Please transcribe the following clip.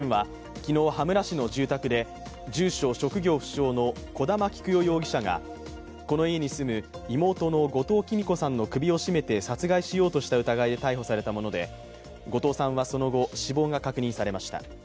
この事件は昨日、羽村市の住宅で住所・職業不詳の小玉喜久代容疑者がこの家に住む妹の後藤喜美子さんの首を絞めて殺害しようとした疑いで逮捕されたもので後藤さんはその後、死亡が確認されました。